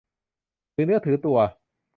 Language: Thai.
ถือเนื้อถือตัว